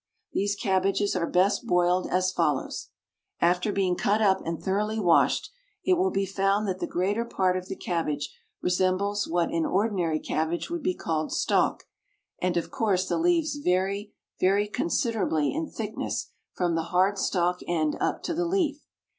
These cabbages are best boiled as follows: After being cut up and thoroughly washed, it will be found that the greater part of the cabbage resembles what in ordinary cabbage would be called stalk, and, of course, the leaves vary very considerably in thickness from the hard stalk end up to the leaf.